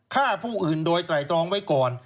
ฆ่าผู้อื่นโดยไตรตรองไว้ก่อน